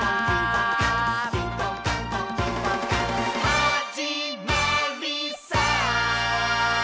「はじまりさー」